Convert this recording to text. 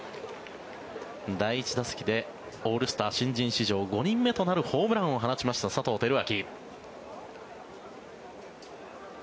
第１打席でオールスター新人史上５人目となるホームランを放ちました佐藤輝明。